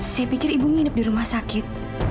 saya pikir ibu nginep di rumah sakit